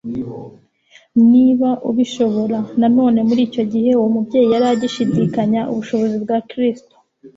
« Niba ubishobora... » Nanone muri icyo gihe uwo mubyeyi yari agishidikanya ubushobozi bwa Kristo.